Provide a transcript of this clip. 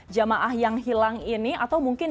jamaah yang hilang ini atau mungkin